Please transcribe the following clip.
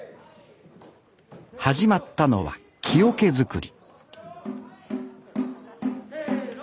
始まったのは木桶作りせの！